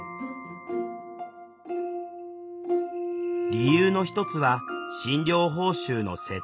理由の一つは診療報酬の設定。